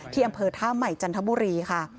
อำเภอท่าใหม่จันทบุรีค่ะ